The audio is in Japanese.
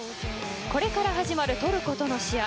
これから始まるトルコとの試合